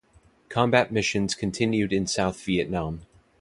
Combat missions continued in South Vietnam.